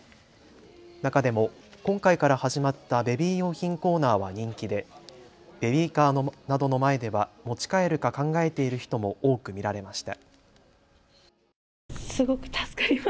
中でも今回から始まったベビー用品コーナーは人気でベビーカーなどの前では持ち帰るか考えている人も多く見られました。